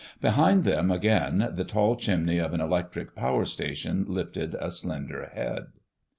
Behind them again the tall chimney of an electric power station lifted a slender head.